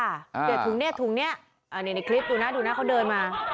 เนี่ยถุงเนี่ยถุงนี้ในคลิปดูนะดูนะเขาเดินมา